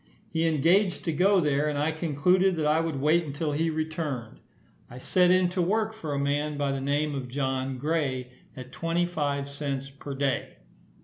He engaged to go there, and I concluded that I would wait until he returned. I set in to work for a man by the name of John Gray, at twenty five cents per day.